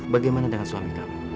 bagaimana dengan suami kamu